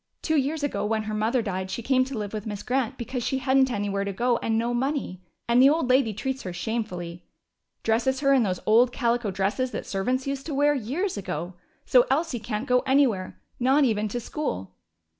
Two years ago, when her mother died, she came to live with Miss Grant because she hadn't anywhere to go and no money. And the old lady treats her shamefully. Dresses her in those old calico dresses that servants used to wear years ago. So Elsie can't go anywhere, not even to school."